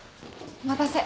お待たせ。